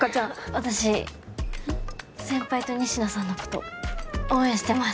私先輩と仁科さんのこと応援してます。